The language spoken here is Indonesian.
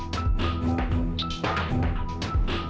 kamu harus percaya padaku